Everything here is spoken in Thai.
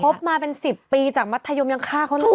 บมาเป็น๑๐ปีจากมัธยมยังฆ่าเขาเลย